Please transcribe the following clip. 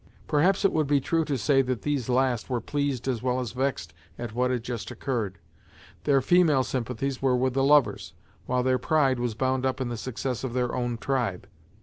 Perhaps it would be true to say that these last were pleased as well as vexed at what had just occurred. Their female sympathies were with the lovers, while their pride was bound up in the success of their own tribe.